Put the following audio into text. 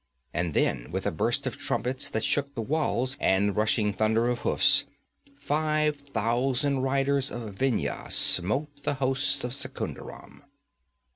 And then with a burst of trumpets that shook the walls, and rushing thunder of hoofs, five thousand riders of Vendhya smote the hosts of Secunderam.